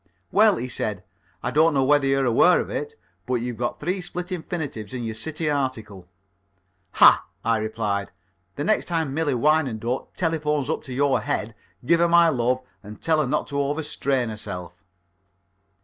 "Well," he said, "I don't know whether you're aware of it, but you've got three split infinitives in your City article." "Ah!" I replied. "The next time Millie Wyandotte telephones up to your head, give her my love and tell her not to over strain herself."